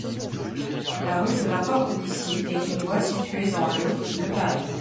La rue de la Porte-d’Issy est une voie située dans le de Paris.